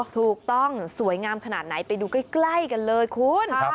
ถูกต้องสวยงามขนาดไหนไปดูใกล้กันเลยคุณ